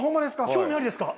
興味ありですか？